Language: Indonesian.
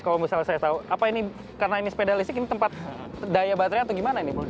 kalau misalnya saya tahu karena ini sepeda listrik ini tempat daya baterai atau gimana ini